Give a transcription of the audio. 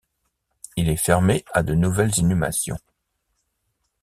Il est fermé à de nouvelles inhumations.